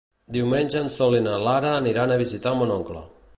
Diumenge en Sol i na Lara aniran a visitar mon oncle.